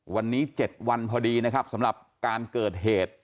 วันนี้๗วันพอดีนะครับสำหรับการเกิดเหตุ